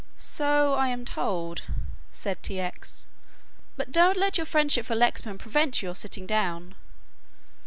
"So I am told," said T. X., "but don't let your friendship for Lexman prevent your sitting down."